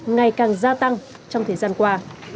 ngày càng gia tăng trong thời gian qua